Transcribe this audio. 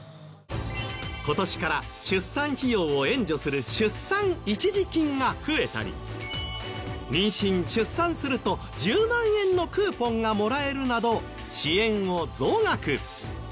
今年から出産費用を援助する出産一時金が増えたり妊娠出産すると１０万円のクーポンがもらえるなど支援を増額。